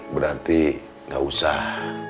berarti gak usah